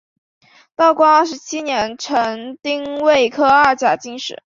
道光二十七年成丁未科二甲进士。